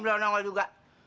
belum nongol juga